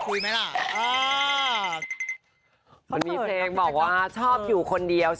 คุยอยู่คนเดียว